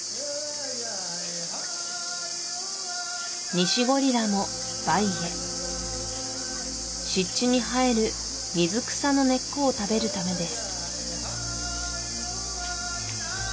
ニシゴリラもバイへ湿地に生える水草の根っこを食べるためです